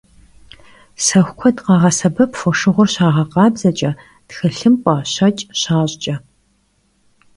Sexu kued khağesebep foşşığur şağekhabzeç'e, txılhımp'e, şeç' şaş'ç'e.